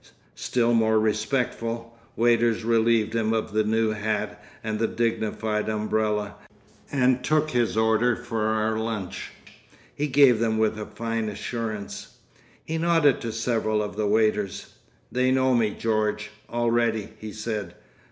Still more respectful—waiters relieved him of the new hat and the dignified umbrella, and took his orders for our lunch. He gave them with a fine assurance. He nodded to several of the waiters. "They know me, George, already," he said.